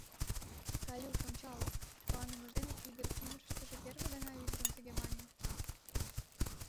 — Галюш, ончал! — куанымыж дене Игорь ӱмырыштыжӧ первый гана ӱдырым тыге мане.